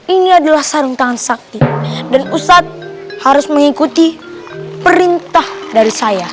ini adalah sarung tangan sakti dan ustadz harus mengikuti perintah dari saya